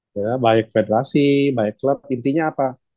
ya baik federasi baik klub intinya apa